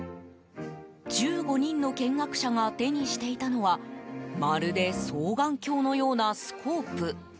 １５人の見学者が手にしていたのはまるで双眼鏡のようなスコープ。